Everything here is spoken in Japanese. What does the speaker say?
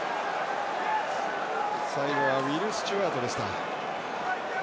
最後はウィル・スチュアートでした。